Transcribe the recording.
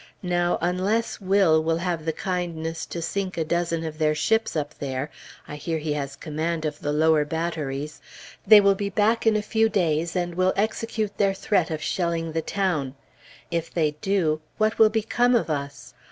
Now, unless Will will have the kindness to sink a dozen of their ships up there, I hear he has command of the lower batteries, they will be back in a few days, and will execute their threat of shelling the town. If they do, what will become of us?